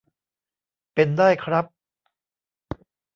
เป็นได้ครับ